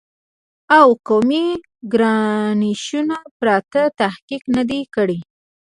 او قومي ګرایشونو پرته تحقیق نه دی کړی